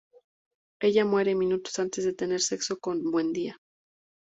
Ella muere minutos antes de tener sexo con Buendía.